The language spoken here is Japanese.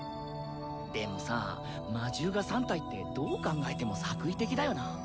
でもさ魔獣が３体ってどう考えても作為的だよな。